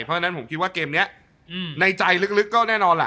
เพราะฉะนั้นผมคิดว่าเกมนี้ในใจลึกก็แน่นอนล่ะ